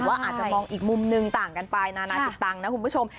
อาจจะมองอีกมุมหนึ่งต่างกันไปนานาจิตตังค์นะคุณผู้ชม